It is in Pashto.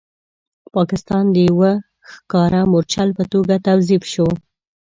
پاکستان د یو ښکاره مورچل په توګه توظیف شو.